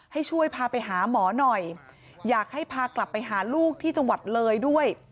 ให้ช่วยพาไปหาหมอหน่อยอยากให้พากลับไปหาลูกที่จังหวัดเลยด้วย